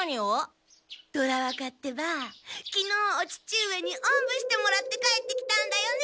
虎若ってばきのうお父上におんぶしてもらって帰ってきたんだよね。